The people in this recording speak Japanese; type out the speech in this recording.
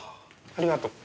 ありがとう。